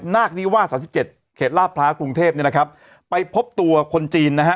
นาคนี้ว่าสามสิบเจ็ดเขตราพพระกรุงเทพนี่นะครับไปพบตัวคนจีนนะฮะ